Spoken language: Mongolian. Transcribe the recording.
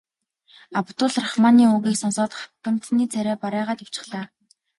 Абдул Рахманы үгийг сонсоод хатантны царай барайгаад явчихлаа.